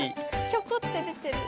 ひょこって出てる。